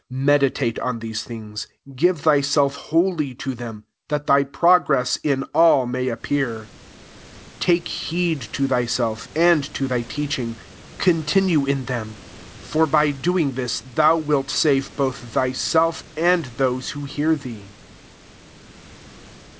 15 Me ditate on these t/iings ; give thy self wholly to them ; that thy progress [in] all may appear : 16 take heed to thyself, and to thy teaching ; continue in them: for by doing this thou wilt save both thyself, and those who hear thee.